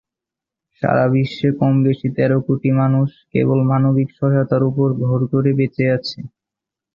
সারা বিশ্বে কমবেশি তেরো কোটি মানুষ কেবল মানবিক সহায়তার উপর ভর করে বেঁচে আছে।